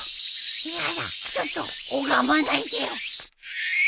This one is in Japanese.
嫌だちょっと拝まないでよ。